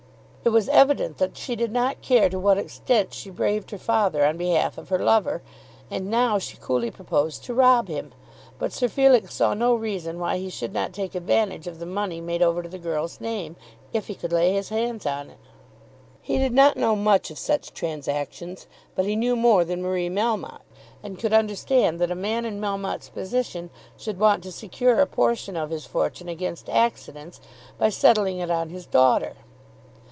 It was evident that she did not care to what extent she braved her father on behalf of her lover, and now she coolly proposed to rob him. But Sir Felix saw no reason why he should not take advantage of the money made over to the girl's name, if he could lay his hands on it. He did not know much of such transactions, but he knew more than Marie Melmotte, and could understand that a man in Melmotte's position should want to secure a portion of his fortune against accidents, by settling it on his daughter.